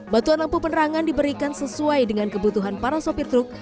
batuan lampu penerangan diberikan sesuai dengan kebutuhan para sopir truk